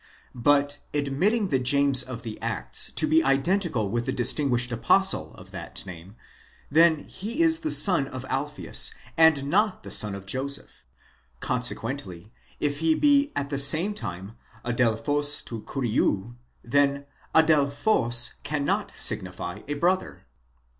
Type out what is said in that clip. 16 But admitting the James of the Acts to be identical with the distinguished apostle of that name, then is he the son of Alpheus, and not the son of Joseph; consequently if he be at the same time ἀδελφὸς τοῦ Κυρίου, then ἀδελφὸς cannot signify a brother.